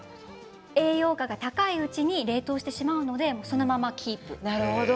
栄養価が高いうちに冷凍するのでそのままキープ。